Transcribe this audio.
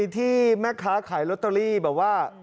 ที่แม่ค้าขายลอตเตอรี่แบบว่า